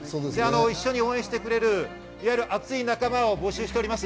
一緒に応援してくれる暑い仲間を募集しております。